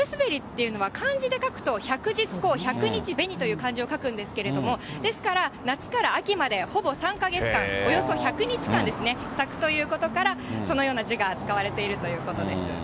サルスベリっていうのは漢字で書くと百日紅、百日紅という漢字を書くんですけど、ですから、夏から秋までほぼ３か月間、およそ１００日間ですね、咲くということから、そのような字が使われているということです。